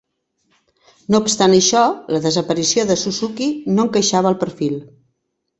No obstant això, la desaparició de Suzuki no encaixava al perfil.